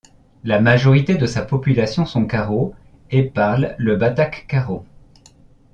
La majorité de sa population sont Karo et parlent le Batak karo.